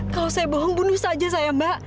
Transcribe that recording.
kalau saya bohong bunuh saja saya mbak